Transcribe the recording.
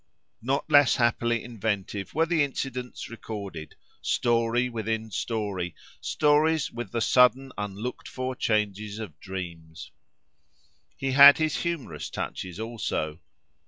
Not less happily inventive were the incidents recorded—story within story—stories with the sudden, unlooked for changes of dreams. He had his humorous touches also.